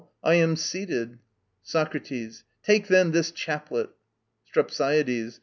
I am seated. SOCRATES. Now take this chaplet. STREPSIADES.